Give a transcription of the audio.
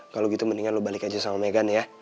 kalau gitu mendingan lu balik aja sama meghan ya